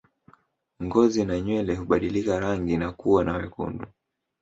Ngozi na nywele hubadilika rangi na kuwa na wekundu